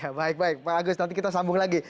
ya baik baik pak agus nanti kita sambung lagi